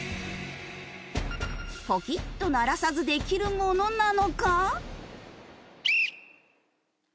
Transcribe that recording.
ポキッと鳴らさずできるものなのか？